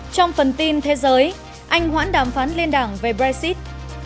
trong phần tin thế giới anh hoãn đàm phán liên đảng về brexit